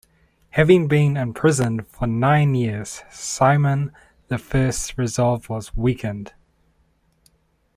Having been imprisoned for nine years, Simon the First's resolve was weakened.